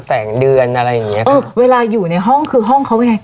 แสงเดือนอะไรอย่างเงี้ยคือเวลาอยู่ในห้องคือห้องเขายังไง